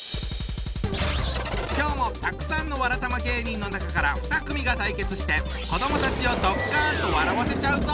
今日もたくさんのわらたま芸人の中から２組が対決して子どもたちをドッカンと笑わせちゃうぞ！